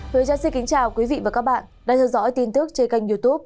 thưa chán xin kính chào quý vị và các bạn đã theo dõi tin tức trên kênh youtube